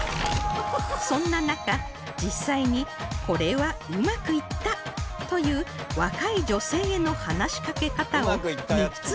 そんな中実際に「これはうまくいった！」という若い女性への話しかけ方を３つご紹介